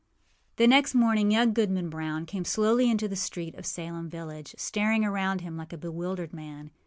The next morning young Goodman Brown came slowly into the street of Salem village, staring around him like a bewildered man.